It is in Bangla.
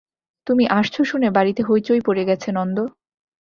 তুমি আসছ শুনে বাড়িতে হৈচৈ পড়ে গেছে নন্দ।